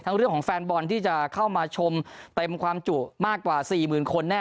เรื่องของแฟนบอลที่จะเข้ามาชมเต็มความจุมากกว่า๔๐๐๐คนแน่